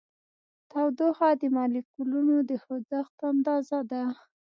تودوخه د مالیکولونو د خوځښت اندازه ده.